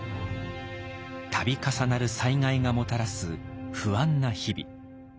度重なる災害がもたらす不安な日々。